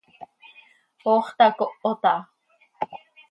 ¡Ox tacohot aha!